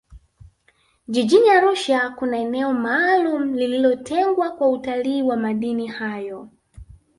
jijini arusha kuna eneo maalumu lililotengwa kwa utalii wa madini hayo